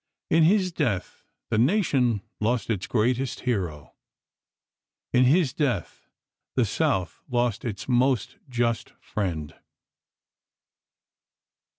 In his death the nation lost its greatest hero ; in his death the South lost its most just friend.